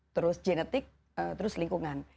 terus genetik terus lingkungan